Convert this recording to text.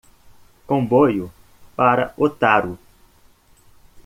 Comboio para Otaru